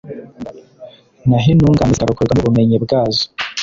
naho intungane zikarokorwa n'ubumenyi bwazo